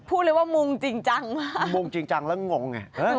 พูดเลยว่ามุงจริงจังมาก